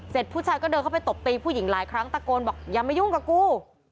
ผู้ชายก็เดินเข้าไปตบตีผู้หญิงหลายครั้งตะโกนบอกอย่ามายุ่งกับกู